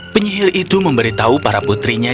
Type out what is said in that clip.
penyihir itu memberitahu para putrinya